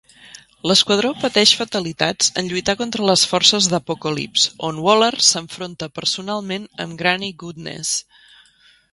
L'esquadró pateix fatalitats en lluitar contra les forces d'Apokolips, on Waller s'enfronta personalment amb Granny Goodness.